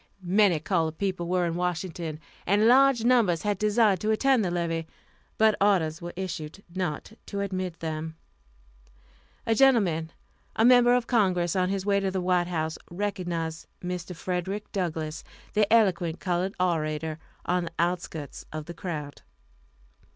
Many colored people were in Washington, and large numbers had desired to attend the levee, but orders were issued not to admit them. A gentleman, a member of Congress, on his way to the White House, recognized Mr. Frederick Douglass, the eloquent colored orator, on the outskirts of the crowd.